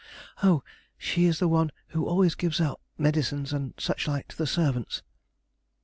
"Oh, she is the one who always gives out medicines and such like to the servants."